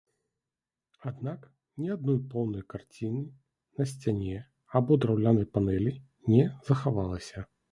Аднак ні адной поўнай карціны на сцяне або драўлянай панэлі не захавалася.